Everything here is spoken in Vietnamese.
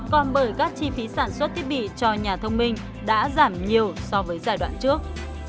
còn bởi các chi phí sản xuất thiết bị cho nhà thông minh đã giảm nhiều so với giai đoạn trước